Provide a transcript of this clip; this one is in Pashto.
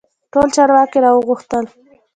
ټول چارواکي را وغوښتل.